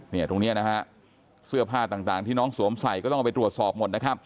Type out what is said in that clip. ตรงนี้นะฮะเสื้อผ้าต่างที่น้องสวมใส่ก็ต้องเอาไปตรวจสอบหมดนะครับ